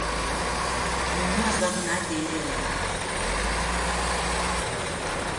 Ningú es va adonar que ella hi era.